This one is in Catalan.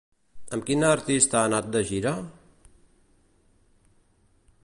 Amb quin artista ha anat de gira?